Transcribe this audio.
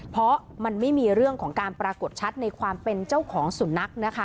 เพราะมันไม่มีเรื่องของการปรากฏชัดในความเป็นเจ้าของสุนัขนะคะ